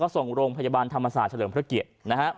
ส่งโรงพยาบาลธรรมศาสตร์เฉลิมพระเกียรตินะครับ